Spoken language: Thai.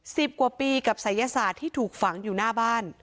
สิบกว่าปีกับศัยศาสตร์ที่ถูกฝังอยู่หน้าบ้าน